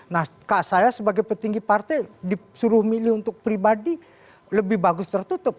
nah saya sebagai petinggi partai disuruh milih untuk pribadi lebih bagus tertutup